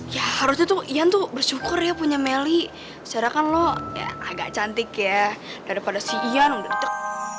ya harusnya tuh ian bersyukur punya melly sejarah kan lo agak cantik ya daripada si ian udah ditek